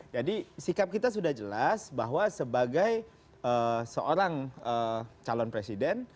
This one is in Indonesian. jadi sikap kita sudah jelas bahwa sebagai seorang calon presiden